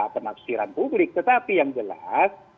penafsiran publik tetapi yang jelas